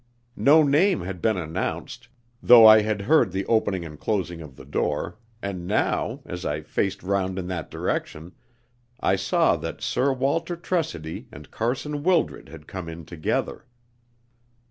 No name had been announced, though I had heard the opening and closing of the door, and now, as I faced round in that direction, I saw that Sir Walter Tressidy and Carson Wildred had come in together.